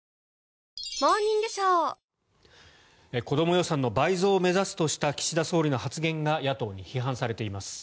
予算の倍増を目指すとした岸田総理の発言が野党に批判されています。